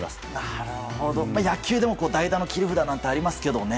なるほど野球でも代打の切り札なんて、ありますけどね。